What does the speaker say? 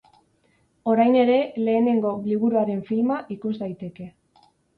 Orain ere lehenengo liburuaren filma ikus daiteke.